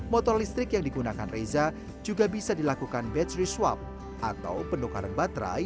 motor listrik yang digunakan reza juga bisa dilakukan battery swap atau penukaran baterai